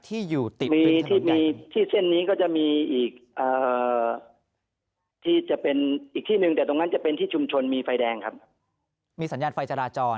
ที่อยู่ติดตึงถนนใหญ่